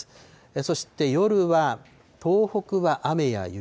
そして夜は、東北は雨や雪。